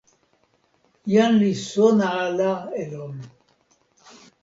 jan li sona ala e lon.